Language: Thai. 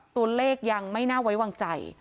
ตัวเลขยังไม่น่าไว้วางใจ